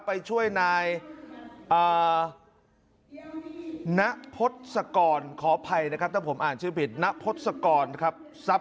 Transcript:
ไปช่วยนายณพศกรขออภัยนะครับถ้าผมอ่านชื่อผิดณพศกรครับทรัพย